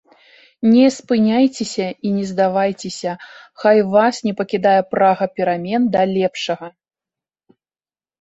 Не спыняйцеся і не здавайцеся, хай вас не пакідае прага перамен да лепшага!